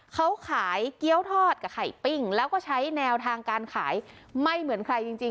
เขาขายเกี้ยวทอดกับไข่ปิ้งแล้วก็ใช้แนวทางการขายไม่เหมือนใครจริง